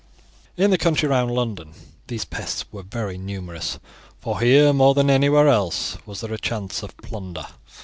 In the country round London these pests were very numerous, for here, more than anywhere else, was there a chance of plunder.